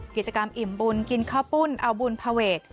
กิจกรรมอิ่มบุญกินข้าวปุ้นเอาบุญภาเวท